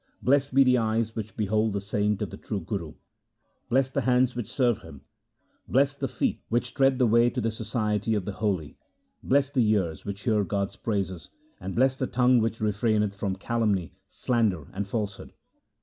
Blest be the eyes which behold the saint of the True Guru, blest the hands which serve him, blest the feet which tread the way to the society of the holy, blest the ears which hear God's praises, and blest the tongue which refraineth from calumny, slander, and falsehood.